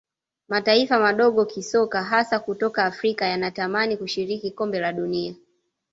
mataifa madogo kisoka hasa kutoka afrika yanatamani kushiriki kombe la dunia